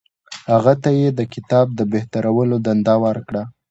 هغه ته یې د کتاب د بهترولو دنده ورکړه.